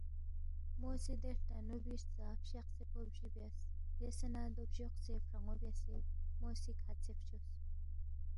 مو سی دے ہلٹنُو بی ہرژا فشقسے پو بجی بیاس، بیاسے نہ دو بجوقسے فران٘و بیاسے، مو سی کھژے فچوس